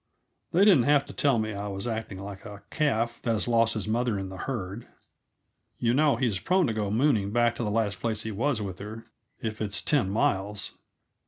They didn't have to tell me I was acting like a calf that has lost his mother in the herd. (You know he is prone to go mooning back to the last place he was with her, if it's ten miles.)